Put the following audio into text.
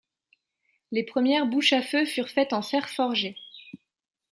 Les premières bouches à feu furent faites en fer forgé.